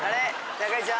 中井ちゃん。